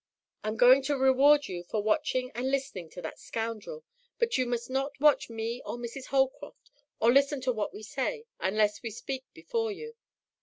"I'm going to reward you for watching and listening to that scoundrel, but you must not watch me or Mrs. Holcroft, or listen to what we say unless we speak before you.